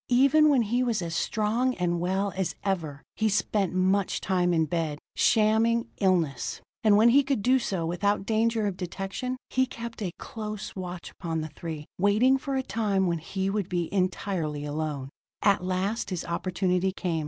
Even when he was as strong and well as ever, he spent much time in bed, shamming illness. And when he could do so without danger of detection, he kept a close watch upon the three, waiting for a time when he would be entirely alone. At last his opportunity came.